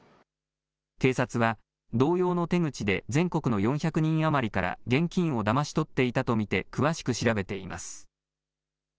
警察は同様の手口で全国の４００人余りから現金をだまし取っていたと見て詳しく調べています。